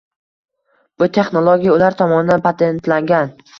Bu texnologiya ular tomonidan patentlagan.